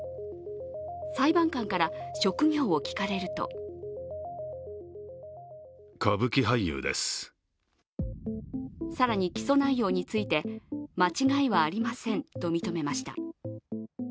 裁判官から職業を聞かれると更に、起訴内容について間違いはありませんと認めました。